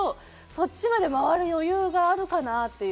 そっちまで回る余裕があるかなと。